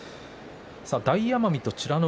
大奄美と美ノ